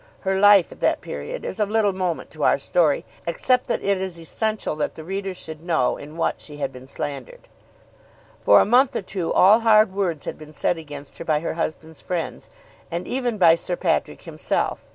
Her life at that period is of little moment to our story, except that it is essential that the reader should know in what she had been slandered. For a month or two all hard words had been said against her by her husband's friends, and even by Sir Patrick himself.